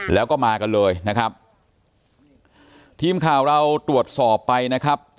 แล้วก็มากันเลยนะครับทีมข่าวเราตรวจสอบไปนะครับ